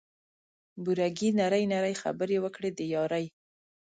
بوره ګي نري نري خبري وکړه د یاري